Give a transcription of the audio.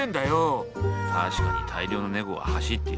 確かに大量のネコが走っているけどな。